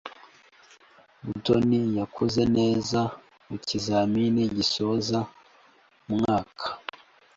Mutoni yakoze neza mukizamini gisoza umwaka .